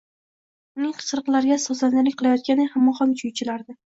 uning qichqiriqlariga sozandalik qilayotganday hamohang kuy chalardi.